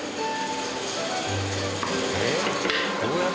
えっ？